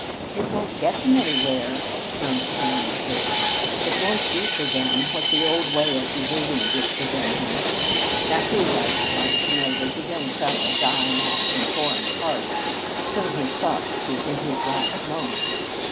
"It won't get them anywhere," affirmed Clarinda Hays. "It won't do for them what the old way of behaving did for them, Miss. Now, who, I should like to know, does a young fellow, dying off in foreign parts, turn his thoughts to in his last moments?